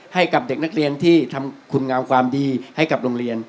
ให้กับเด็กนักเรียนที่ทำคุณงามความดีให้กับโรงเรียน